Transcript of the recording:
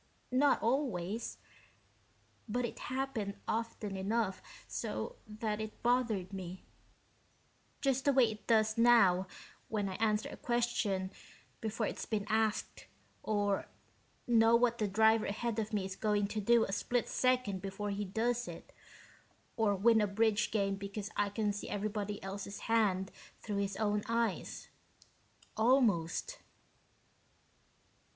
Not always but it happened often enough so that it bothered me, just the way it does now when I answer a question before it's been asked, or know what the driver ahead of me is going to do a split second before he does it, or win a bridge game because I can see everybody else's hand through his own eyes, almost."